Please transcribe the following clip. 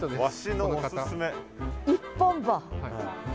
一本歯。